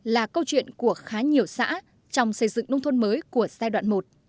là câu chuyện của khá nhiều xã trong xây dựng nông thôn mới của giai đoạn một